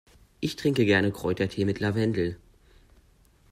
Ich trinke gerne Kräutertee mit Lavendel.